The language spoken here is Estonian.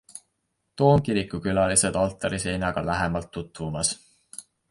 Toomkiriku külalised altariseinaga lähemalt tutvumas.